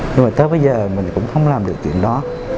nhưng mà tới bây giờ mình cũng không làm được chuyện đó